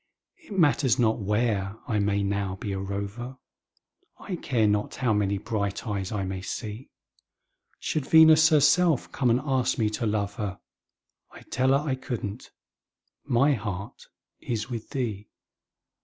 It matters not where I may now be a rover, I care not how many bright eyes I may see; Should Venus herself come and ask me to love her, I'd tell her I couldn't my heart is with thee.